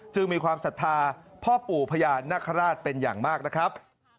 มีความศรัทธาพ่อปู่พญานาคาราชเป็นอย่างมากนะครับ